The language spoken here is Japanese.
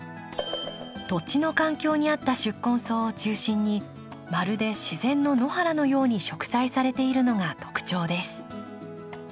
土地の環境に合った宿根草を中心にまるで自然の野原のように植栽されているのが特徴です。